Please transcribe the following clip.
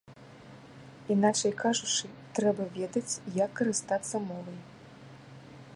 Іначай кажучы, трэба ведаць, як карыстацца мовай.